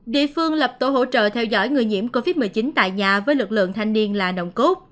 địa phương lập tổ hỗ trợ theo dõi người nhiễm covid một mươi chín tại nhà với lực lượng thanh niên là nồng cốt